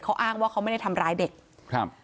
เขาอ้างว่าเขาไม่ได้ทำร้ายเด็กครับ